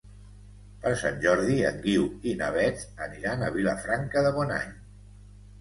Per Sant Jordi en Guiu i na Beth aniran a Vilafranca de Bonany.